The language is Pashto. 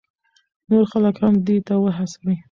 نور خلک هم دې ته وهڅوئ.